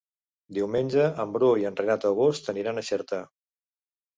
Diumenge en Bru i en Renat August aniran a Xerta.